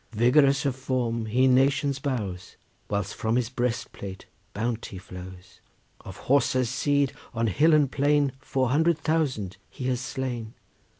Vigorous of form he nations bows, Whilst from his breast plate bounty flows. Of Horsa's seed on hill and plain Four hundred thousand he has slain.